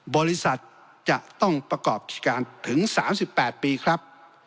บริษัทจะต้องประกอบกิจการถึง๓๘ปีครับ